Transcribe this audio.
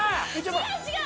違う違う！